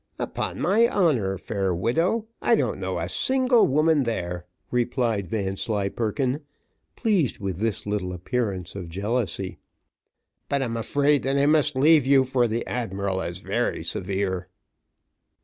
"Upon my honour, fair widow, I don't know a single woman there," replied Vanslyperken, pleased with this little appearance of jealousy; "but I'm afraid that I must leave you, for the admiral is very severe."